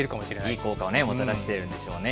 いい効果をもたらしているんでしょうね。